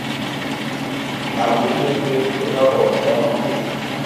Abui ya été be nga bo mélo.